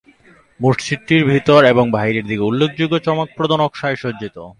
মসজিদটির ভিতর এবং বাহিরের দিকে উল্লেখযোগ্য চমকপ্রদ নকশায় সজ্জিত।